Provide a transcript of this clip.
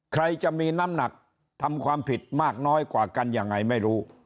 ใครจะมีน้ำหนักทำความผิดมากน้อยกว่ากันยังไงไม่รู้